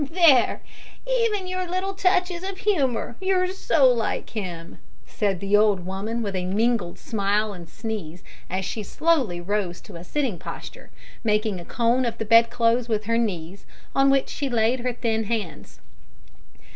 "There even in your little touches of humour you're so like him!" said the old woman, with a mingled smile and sneeze, as she slowly rose to a sitting posture, making a cone of the bedclothes with her knees, on which she laid her thin hands.